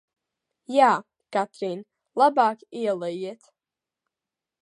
Jā, Katrīn, labāk ielejiet!